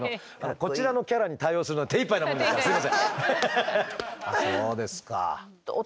こちらのキャラに対応するのに手いっぱいなもんですからすいません。